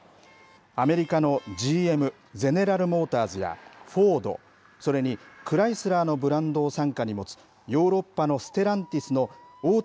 アメリカのＧＭ・ゼネラル・モーターズやフォード、それにクライスラーのブランドを傘下に持つ、ヨーロッパのステランティスの大手